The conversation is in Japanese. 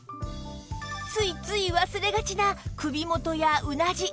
ついつい忘れがちな首元やうなじ